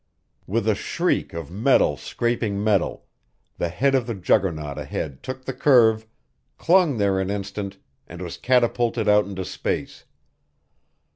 With a shriek of metal scraping metal, the head of the Juggernaut ahead took the curve, clung there an instant, and was catapulted out into space.